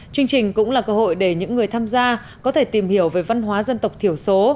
chương trình cũng là cơ hội để những người tham gia có thể tìm hiểu về văn hóa dân tộc thiểu số